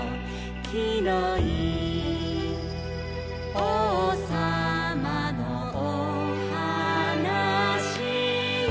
「きのいいおうさまのおはなしよ」